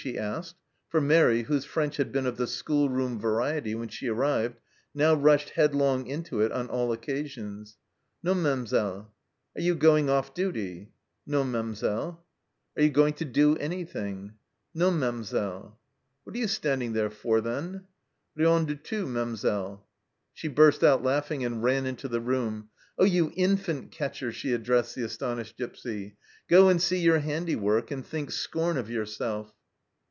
she asked, for Mairi, whose French had been of the schoolroom variety when she arrived, now rushed headlong into it on all occasions. <k Non, Mamselle." " Are you going off duty*?" " Non, Mamselle." 21 162 THE CELLAR HOUSE OF PERVYSE " Are you going to do anything ?"" Non, Mamselle." " What are you standing there for, then T " Rien du tout, Mamselle." She burst out laughing and ran into the room. " Oh, you infant catcher," she addressed the astonished Gipsy, " go and see your handiwork, and think scorn of yourself